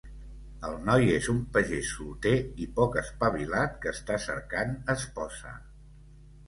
El noi és un pagès solter i poc espavilat que està cercant esposa.